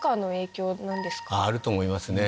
あると思いますね。